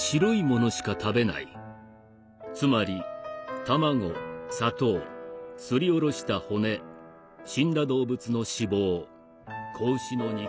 「つまり卵砂糖すりおろした骨死んだ動物の脂肪子牛の肉塩」。